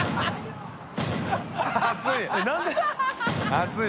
熱い！